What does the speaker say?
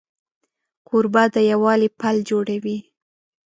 کوربه د یووالي پل جوړوي.